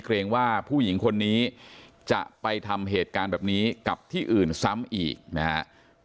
เกรงว่าผู้หญิงคนนี้จะไปทำเหตุการณ์แบบนี้กับที่อื่นซ้ำอีกนะครับ